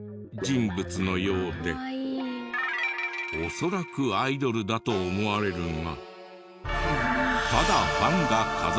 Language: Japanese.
恐らくアイドルだと思われるが。